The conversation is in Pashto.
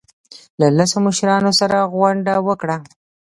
له لسو مشرانو سره غونډه وکړه.